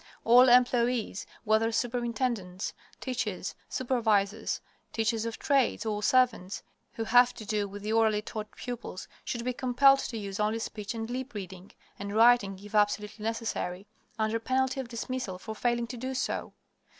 All employees, whether superintendents, teachers, supervisors, teachers of trades, or servants, who have to do with the orally taught pupils should be compelled to use only speech and lip reading (and writing, if absolutely necessary) under penalty of dismissal for failing to do so.